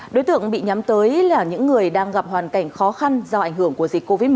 đối tượng bị nhắm tới là những người đang gặp hoàn cảnh khó khăn do ảnh hưởng của dịch covid một mươi